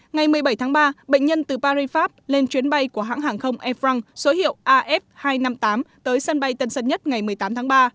ngày một mươi bảy tháng ba bệnh nhân từ paris pháp lên chuyến bay của hãng hàng không air france số hiệu af hai trăm năm mươi tám tới sân bay tân sân nhất ngày một mươi tám tháng ba